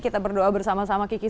kita berdoa bersama sama kiki